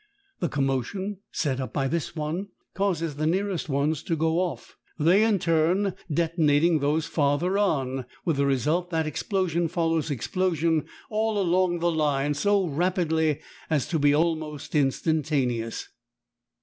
The commotion set up by this one causes the nearest ones to "go off," they in turn detonating those farther on, with the result that explosion follows explosion all along the line so rapidly as to be almost instantaneous.